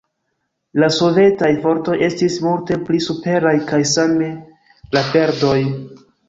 La sovetaj fortoj estis multe pli superaj, kaj same la perdoj.